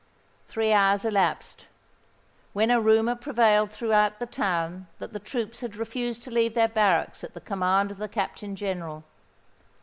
Three hours elapsed; when a rumour prevailed throughout the town that the troops had refused to leave their barracks at the command of the Captain General.